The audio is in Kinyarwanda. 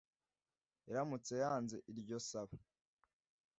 iramutse yanze iryo saba